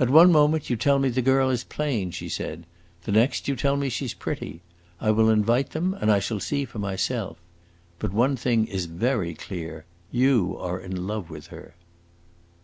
"At one moment you tell me the girl is plain," she said; "the next you tell me she 's pretty. I will invite them, and I shall see for myself. But one thing is very clear: you are in love with her."